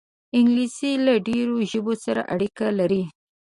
انګلیسي له ډېرو ژبو سره اړیکه لري